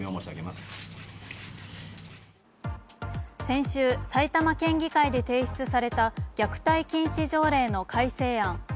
先週、埼玉県議会で提出された虐待禁止条例の改正案。